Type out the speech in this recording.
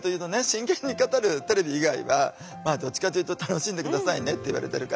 真剣に語るテレビ以外はどっちかというと「楽しんで下さいね」って言われてるから。